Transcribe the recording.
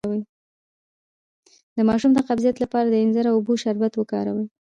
د ماشوم د قبضیت لپاره د انځر او اوبو شربت وکاروئ